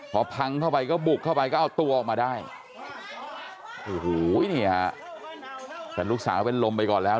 พอพังเข้าไปก็บุกเข้าไปก็เอาตัวออกมาได้โอ้โหนี่ฮะแต่ลูกสาวเป็นลมไปก่อนแล้ว